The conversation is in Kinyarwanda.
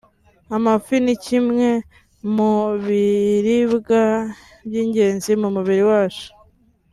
Amafi ni kimwe mu biribwaby’ingenzi mu mubiri wacu